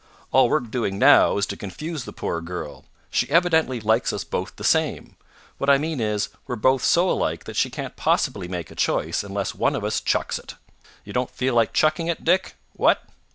All we're doing now is to confuse the poor girl. She evidently likes us both the same. What I mean is, we're both so alike that she can't possibly make a choice unless one of us chucks it. You don't feel like chucking it, Dick. What?"